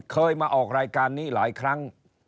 เคยมาออกรายการนี้หลายครั้ง